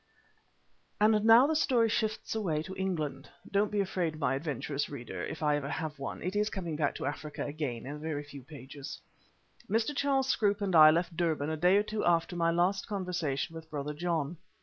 And now the story shifts away to England. (Don't be afraid, my adventurous reader, if ever I have one, it is coming back to Africa again in a very few pages.) Mr. Charles Scroope and I left Durban a day or two after my last conversation with Brother John.